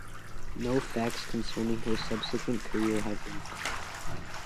No facts concerning her subsequent career have been found.